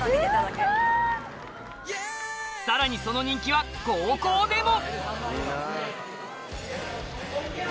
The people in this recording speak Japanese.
さらにその人気は高校でも！